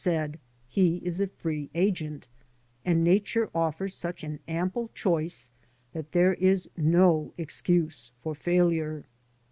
89 said, he is a free agent, and Nature offers such an ample choice that there is no excuse for failure.